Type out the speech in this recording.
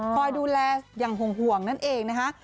คอยดูแลอย่างห่วงนั่นเองนะคะ